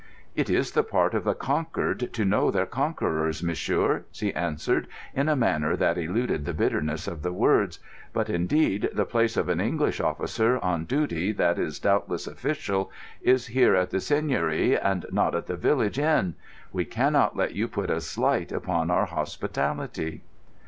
"It is the part of the conquered to know their conquerors, monsieur," she answered, in a manner that eluded the bitterness of the words. "But, indeed, the place of an English officer, on duty that is doubtless official, is here at the Seigneury and not at the village inn. We cannot let you put a slight upon our hospitality."